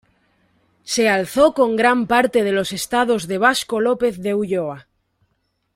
Se alzó con gran parte de los estados de Vasco López de Ulloa.